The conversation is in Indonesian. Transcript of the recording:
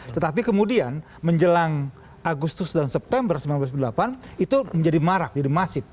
tetapi kemudian menjelang agustus dan september seribu sembilan ratus sembilan puluh delapan itu menjadi marak jadi masif